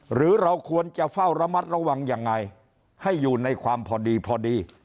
หรือเราควรจะเฝ้าระมัดระวังยังไงให้อยู่ในความพอดีพอดี